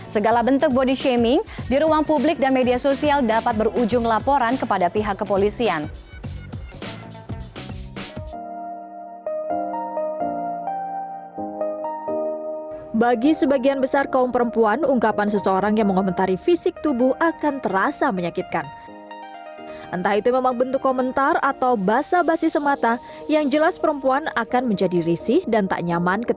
segala bentuk body shaming di ruang publik dan media sosial dapat berujung laporan kepada pihak kepolisian